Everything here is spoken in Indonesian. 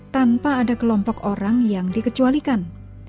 tanpa ada kelompok orang yang dikecualikan